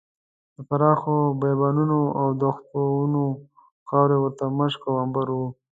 د پراخو بیابانونو او دښتونو خاورې ورته مشک او عنبر وو.